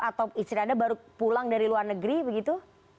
atau istri anda baru pulang dari luar negeri begitu